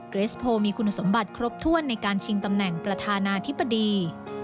เรสโพลมีคุณสมบัติครบถ้วนในการชิงตำแหน่งประธานาธิบดี